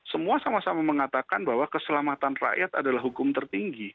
semua sama sama mengatakan bahwa keselamatan rakyat adalah hukum tertinggi